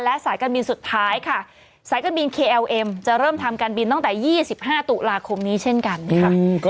และสายการบินสุดท้ายค่ะสายการบินคลมจะเริ่มทำการบินตั้งแต่ยี่สิบห้าตุลาคมนี้เช่นกันนะครับ